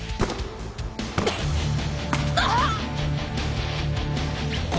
ああ！